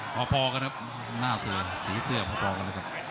พอกันครับหน้าเสือสีเสื้อพอกันเลยครับ